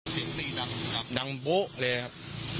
เสียงตีดังครับดังโบ๊ะเลยครับ